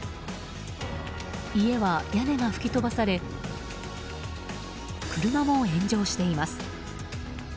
家は屋根が吹き飛ばされ車も炎上しています。